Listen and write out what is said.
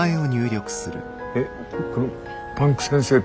えっ？